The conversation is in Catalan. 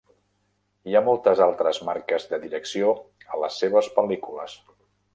HI ha moltes altres marques de direcció a les seves pel·lícules.